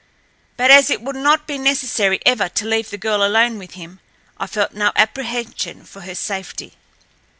But as it would not be necessary ever to leave the girl alone with him I felt no apprehension for her safety.